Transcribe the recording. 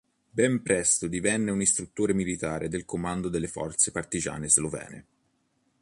Ben presto divenne un istruttore militare nel Comando delle forze partigiane slovene.